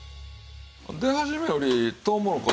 出始めよりとうもろこし